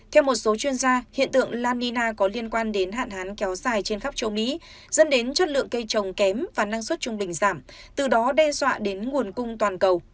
theo một số chuyên gia hiện tượng la nina có liên quan đến hạn hán kéo dài trên khắp châu mỹ dẫn đến chất lượng cây trồng kém và năng suất trung bình giảm từ đó đe dọa đến nguồn cung toàn cầu